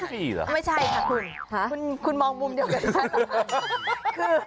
ไม่ใช่ค่ะคุณคุณมองมุมเดียวกันค่ะ